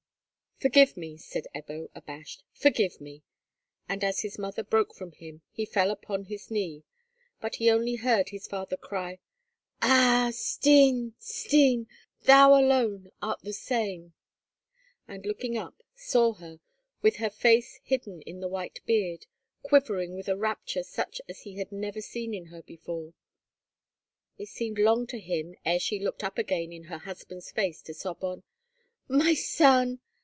"Forgive me," said Ebbo, abashed, "forgive me;" and, as his mother broke from him, he fell upon his knee; but he only heard his father's cry, "Ah! Stine, Stine, thou alone art the same," and, looking up, saw her, with her face hidden in the white beard, quivering with a rapture such as he had never seen in her before. It seemed long to him ere she looked up again in her husband's face to sob on: "My son!